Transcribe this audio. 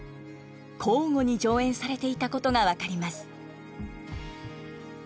交互に上演されていたことが分かります。